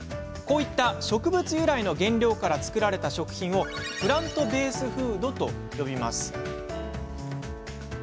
こういった植物由来の原料から作られた食品をプラントベースフードと呼びます。